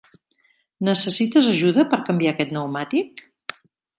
Necessites ajuda per canviar aquest pneumàtic?